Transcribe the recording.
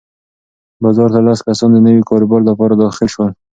بازار ته لس کسان د نوي کاروبار لپاره داخل شول.